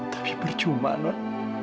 tapi percuma non